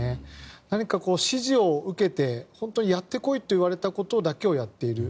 何か指示を受けて本当にやってこいと言われたことだけをやっている。